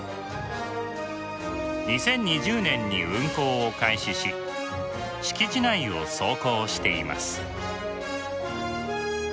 ２０２０年に運行を開始し敷地内を走行しています。